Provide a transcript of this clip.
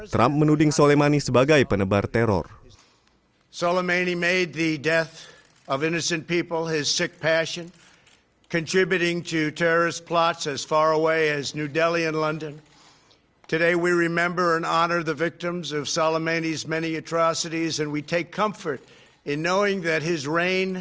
trump menuding soleimani sebagai penebar teror